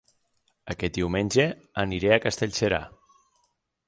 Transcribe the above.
Aquest diumenge aniré a Castellserà